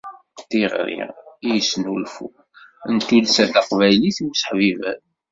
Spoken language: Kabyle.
Tiɣri i usnulfu n tuddsa taqbaylit n useḥbiber.